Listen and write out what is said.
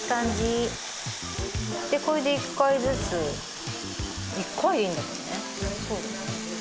でこれで１回ずつ１回でいいんだけどね